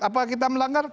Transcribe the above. apakah kita melanggar